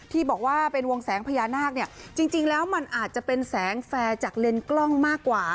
ที่บอกว่าเป็นวงแสงพญานาคเนี่ยจริงแล้วมันอาจจะเป็นแสงแฟร์จากเลนส์กล้องมากกว่า